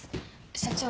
社長。